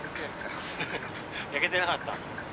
焼けてなかった？